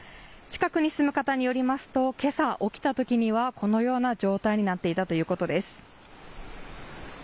近くに住む方によりますとけさ起きたときにはこのような状態になっていたということです。